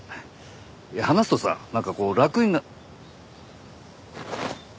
いや話すとさなんかこう楽にな。